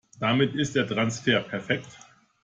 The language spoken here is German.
Damit ist der Transfer perfekt.